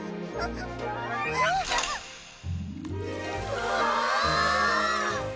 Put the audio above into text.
うわ！